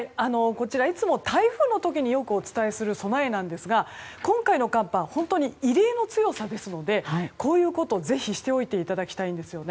いつも台風の時によくお伝えする備えなんですが今回の寒波は本当に異例の強さですのでこういうことを、ぜひしておいていただきたいです。